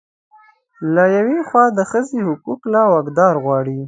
له يوې خوا د ښځې حق له واکدار غواړي